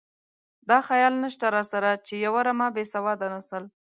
دا خیال نشته راسره چې یوه رمه بې سواده نسل.